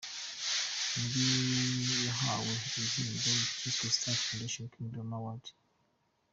Muri yahawe igihembo cyiswe “Stars Foundation Kingdom Award”.